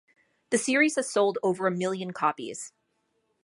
The series has sold over a million copies.